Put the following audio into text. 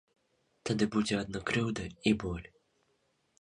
Тады будзе адна крыўда і боль.